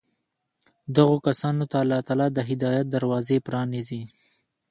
دغو كسانو ته الله تعالى د هدايت دروازې پرانېزي